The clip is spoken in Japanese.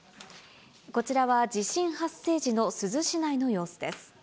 こちらは地震発生時の珠洲市内の様子です。